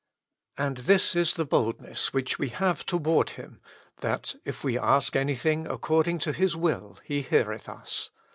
And this is the boldness which we have toward Hijn^ that^ if we ASK ANYTHING ACCORDING TO HiS WILL, He heareth us.